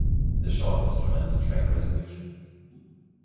The short instrumental track Resolution?